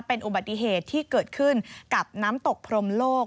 เป็นอุบัติเหตุที่เกิดขึ้นกับน้ำตกพรมโลก